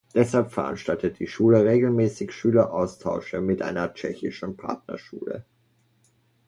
Deshalb veranstaltet die Schule regelmäßig Schüleraustausche mit einer tschechischen Partnerschule.